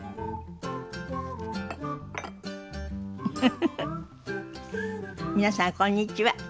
フフフフ皆さんこんにちは。